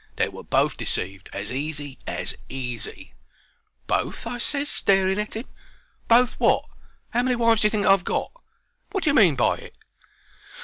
"They were both deceived as easy as easy." "Both?" I ses, staring at 'im. "Both wot? 'Ow many wives d'ye think I've got? Wot d'ye mean by it?"